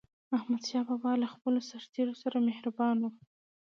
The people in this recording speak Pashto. احمدشاه بابا به له خپلو سرتېرو سره مهربان و.